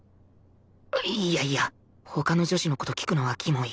いやいや他の女子の事聞くのはキモい